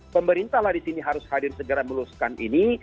pemerintah lah disini harus hadir segera melusukan ini